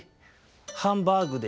「ハンバーグでしょ。